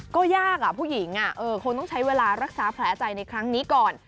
ก็ยากผู้หญิงคงต้องใช้เวลารักษาแผลใจในครั้งนี้ก่อน